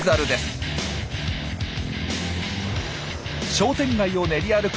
商店街を練り歩く